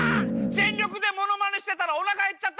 全力でものまねしてたらおなかへっちゃった！